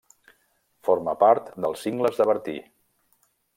Forma part dels Cingles de Bertí.